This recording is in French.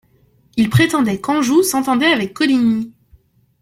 Ils prétendaient qu'Anjou s'entendait avec Coligny.